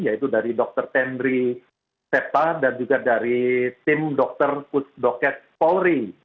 yaitu dari dr tendri septa dan juga dari tim dokter pusdoket polri